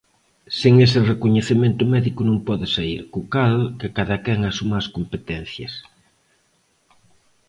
Sen ese recoñecemento médico non pode saír; co cal, que cadaquén asuma as competencias.